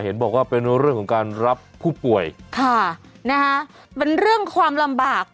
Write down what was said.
เห็นบอกว่าเป็นเรื่องของการรับผู้ป่วยค่ะนะฮะเป็นเรื่องความลำบาก